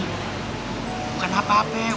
bukan apa apa ya